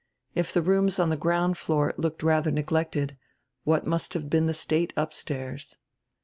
If the rooms on the ground floor looked radier neglected, what must have been the state upstairs!